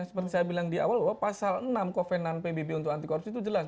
seperti saya bilang di awal bahwa pasal enam kovenan pbb untuk anti korupsi itu jelas